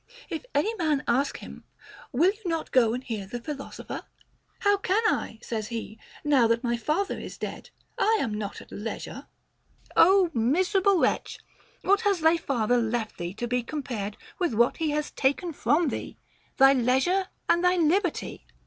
If any man ask him, Will you not go and hear the philosopher \ How can I, says he, now that my father is dead 1 I am not at leisure. Ο miserable wretch ! What has thy father left thee to be compared with what he has taken from thee, thy leisure and thy liberty'?